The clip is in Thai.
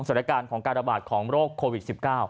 สถานการณ์ของการระบาดของโรคโควิด๑๙